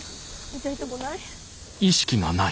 痛いとこない？